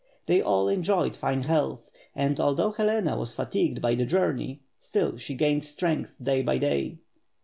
They all enjo3'ed fine health, and although Helena was fatigued by the journey, still she gained strength day by day.